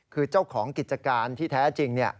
คือเจ้าของกิจการที่แท้จริง